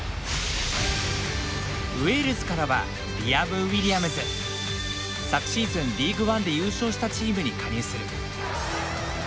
ウェールズからはリアム・ウィリアムズ。昨シーズン、リーグワンで優勝したチームに加入する。